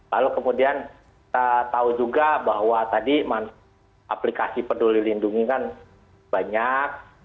lalu kemudian kita tahu juga bahwa tadi aplikasi peduli lindungi kan banyak